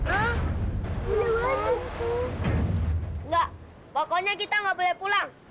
enggak pokoknya kita gak boleh pulang